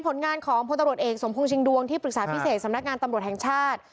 ผลงานของพลตำรวจเอกสมพงษิงดวงที่ปรึกษาพิเศษสำนักงานตำรวจแห่งชาติ